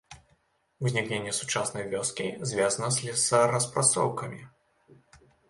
Узнікненне сучаснай вёскі звязана з лесараспрацоўкамі.